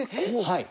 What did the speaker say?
はい。